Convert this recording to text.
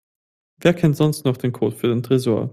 Wer kennt sonst noch den Code für den Tresor?